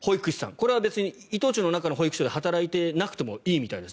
これは別に伊藤忠の中の保育所で働いていなくてもいいみたいです。